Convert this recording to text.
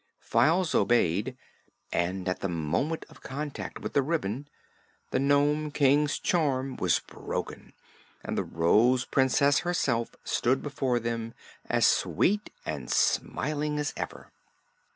Files obeyed and at the moment of contact with the ribbon the Nome King's charm was broken and the Rose Princess herself stood before them as sweet and smiling as ever.